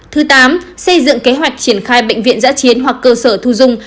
thứ tám xây dựng kế hoạch triển khai bệnh viện giã chiến hoặc cơ sở thu dung